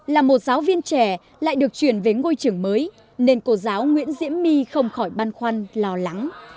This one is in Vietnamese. là một giáo viên trẻ lại được chuyển về ngôi trường mới nên cô giáo nguyễn diễm my không khỏi băn khoăn lo lắng